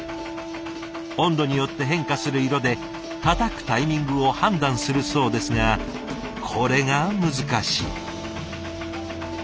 温度によって変化する色でたたくタイミングを判断するそうですがこれが難しい。